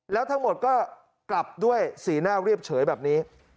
แล้วทั้งหมดก็กลับด้วยสีหน้าเรียบเฉยแบบนี้